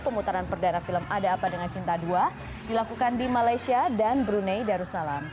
pemutaran perdana film ada apa dengan cinta dua dilakukan di malaysia dan brunei darussalam